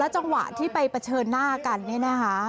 แล้วจังหวะที่ไปเผชิญหน้ากันนี่นะฮะ